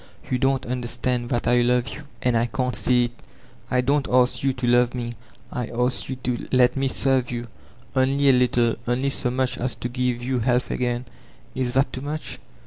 You don't understand that I love jrou, and I can't see it? I don't ask you to love me; I adc jrou to let me serve you. Only a little, only so much as to give you health again; is that too much?